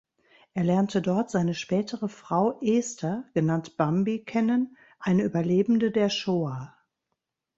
Er lernte dort seine spätere Frau Esther, genannt "Bambi", kennen, eine Überlebende der Shoah.